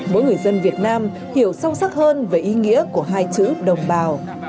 mỗi người dân việt nam hiểu sâu sắc hơn về ý nghĩa của hai chữ đồng bào